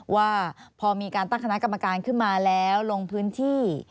ว่าพอมีการตั้งคณะกรรมการขึ้นมาแล้วลงพื้นที่